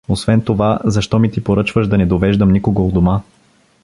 Освен това, защо ми ти поръчваш да не довеждам никого у дома?